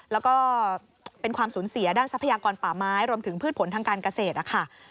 แล้วก็เป็นความสูญเสียด้านทรัพยากรป่าไม้รวมถึงพืชผลทางการเกษตรนะคะ